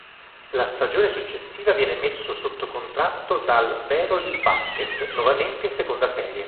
La stagione successiva viene messo sotto contratto dal Veroli Basket, nuovamente in seconda serie.